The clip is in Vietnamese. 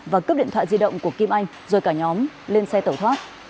và cướp điện thoại di động của kim anh rồi cả nhóm lên xe tẩu thoát